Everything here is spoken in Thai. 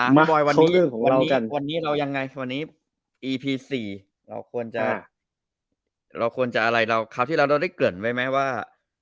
ผมเบลอวันนี้วันนี้๒๔แล้วควรจะอะไรเราครับที่เราได้เกรือไหมว่า